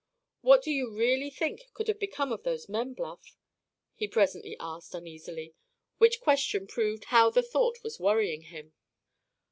What do you really think could have become of those men, Bluff?" he presently asked, uneasily; which question proved how the thought was worrying him.